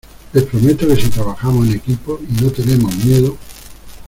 les prometo que si trabajamos en equipo y no tenemos miedo